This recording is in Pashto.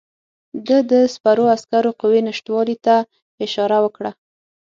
ده د سپرو عسکرو قوې نشتوالي ته اشاره وکړه.